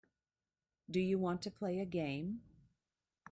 Do you want to play a game.